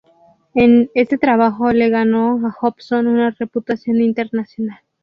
Este trabajo le ganó a Hobson una reputación internacional.